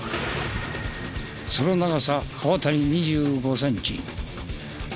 その長さ刃渡り２５センチ。